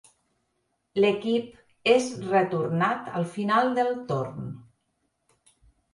L'equip és retornat al final del torn.